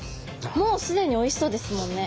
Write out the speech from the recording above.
もうすでにおいしそうですもんね。